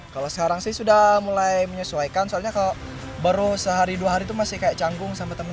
kalau sekarang sih sudah mulai menyesuaikan soalnya kalau baru sehari dua hari itu masih kayak canggung sama temen